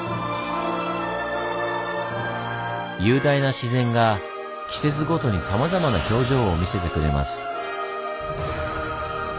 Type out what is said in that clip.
雄大な自然が季節ごとにさまざまな表情を見せてくれます。